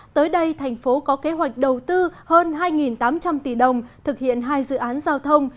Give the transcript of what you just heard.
tới đây thành phố có kế hoạch đầu tư hơn hai tám trăm linh tỷ đồng thực hiện hai dự án giao thông